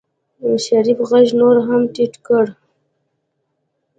شريف غږ نور هم ټيټ کړ.